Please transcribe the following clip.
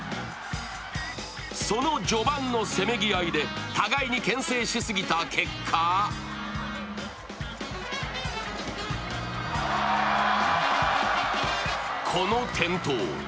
その序盤のせめぎ合いで、互いにけん制しすぎた結果この転倒。